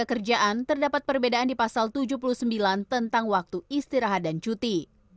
pekerjaan terdapat perbedaan di pasal tujuh puluh sembilan tentang waktu istirahat dan cuti